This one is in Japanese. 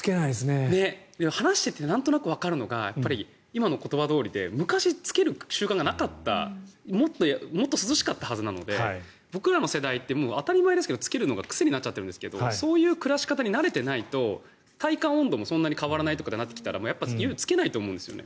話しててなんとなくわかるのが今の言葉どおりで昔はつける習慣がなかったもっと涼しかったはずなので僕らの世代って当たり前ですけどつけるのが癖になっちゃってるんですけどそういう暮らし方に慣れていないと体感温度も変わらないとなってきたらつけないと思うんですよね。